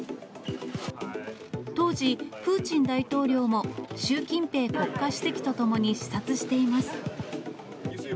当時、プーチン大統領も習近平国家主席と共に視察しています。